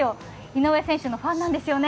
井上選手のファンなんですよね。